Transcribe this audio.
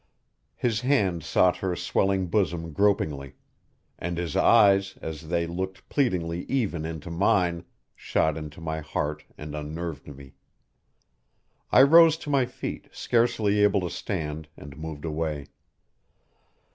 His hand sought her swelling bosom gropingly; and his eyes, as they looked pleadingly even into mine, shot into my heart and unnerved me. I rose to my feet, scarcely able to stand, and moved away.